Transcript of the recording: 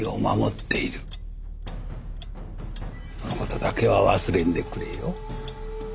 その事だけは忘れんでくれよ。